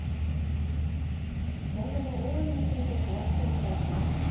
今後の大雨について詳しくお伝えします。